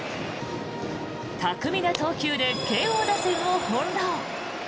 巧みな投球で慶応打線を翻ろう。